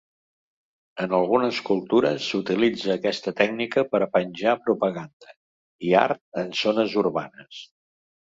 En algunes cultures, s'utilitza aquesta tècnica per a penjar propaganda i art en zones urbanes.